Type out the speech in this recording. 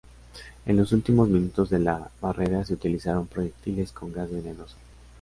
En los últimos minutos de la barrera se utilizaron proyectiles con gas venenoso.